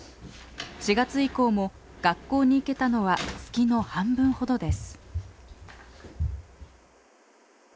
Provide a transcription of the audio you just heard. ４月以降も学校に行けたのは月の半分ほどです。